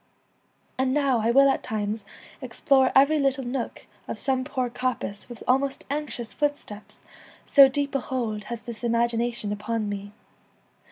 And now I will at times explore every little nook of some poor coppice with almost anxious footsteps, so deep a hold has this imagination upon me.